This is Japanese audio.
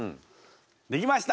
できました。